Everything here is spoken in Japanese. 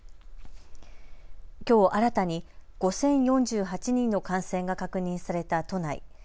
きょう新たに５０４８人の感染が確認された都内。